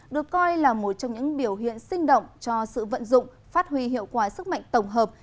được coi là một trong những biểu hiện sinh động cho sự vận dụng phát huy hiệu quả sức mạnh tổng hợp